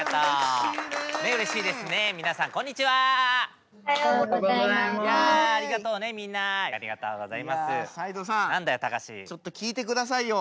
ちょっと聞いてくださいよ。